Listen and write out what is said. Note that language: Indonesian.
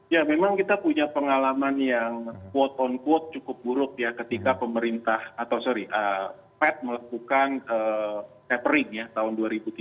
ya memang kita punya pengalaman yang quote on quote cukup buruk ya ketika pemerintah atau sorry fed melakukan tapering ya tahun dua ribu tiga belas